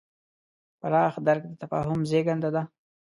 پراخ درک د تفاهم زېږنده دی.